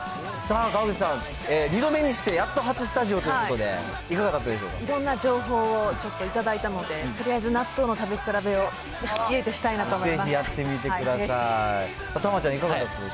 さあ、川口さん、２度目にしてやっと初スタジオということで、いかがだったでしょいろんな情報をちょっと頂いたので、とりあえず、納豆の食べ比べを家でしたいなと思います。